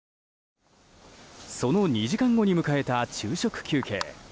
その２時間後に迎えた昼食休憩。